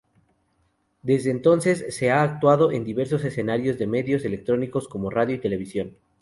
Desde entonces ha actuado en diversos escenarios de Medios Electrónicos como Radio y Televisión.